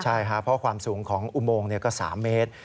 ใช่ครับเพราะความสูงของอุโมงก็๓เมตร